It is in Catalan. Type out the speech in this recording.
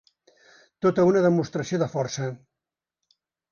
Tota una demostració de força.